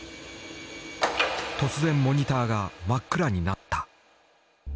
突然モニターが真っ暗になった。